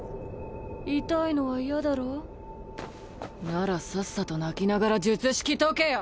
痛いのは嫌だろ？ならさっさと泣きながら術式解けよ。